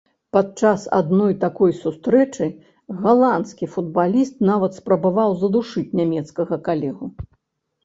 Падчас адной такой сустрэчы галандскі футбаліст нават спрабаваў задушыць нямецкага калегу.